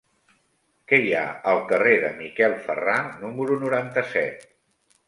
Què hi ha al carrer de Miquel Ferrà número noranta-set?